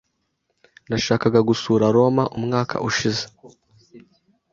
Nashakaga gusura Roma umwaka ushize.